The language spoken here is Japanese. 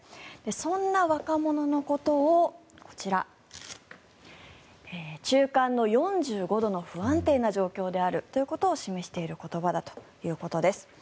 そんな若者のことをこちら中間の４５度の不安定な状況であるということを示している言葉だということです。